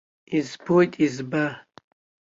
Избоит, изба!